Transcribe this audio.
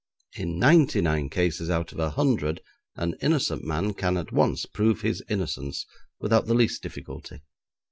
In ninety nine cases out of a hundred an innocent man can at once prove his innocence without the least difficulty.